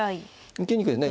受けにくいね。